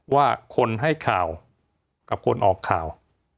ว่าคนให้ข่าวกับคนออกข่าว